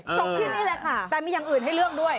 จบที่นี่แหละค่ะแต่มีอย่างอื่นให้เลือกด้วย